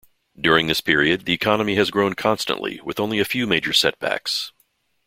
During this period, the economy has grown constantly with only a few major setbacks.